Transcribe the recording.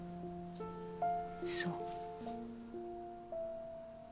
そう。